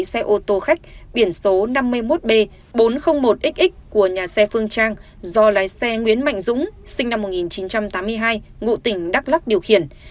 xe ô tô khách biển số năm mươi một b bốn trăm linh một xx của nhà xe phương trang do lái xe nguyễn mạnh dũng sinh năm một nghìn chín trăm tám mươi hai ngụ tỉnh đắk lắc điều khiển